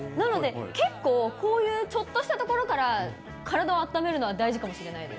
なので結構、こういうちょっとしたところから体をあっためるのは大事かもしれないです。